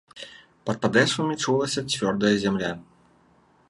Пад падэшвамі чулася цвёрдая зямля.